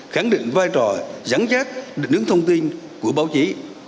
khẳng định vai trò giảng trách định ứng thông tin của báo chí